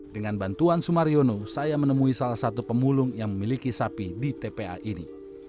dengan bantuan sumariono saya menemui salah satu pemulung yang memiliki sapi di tpa ini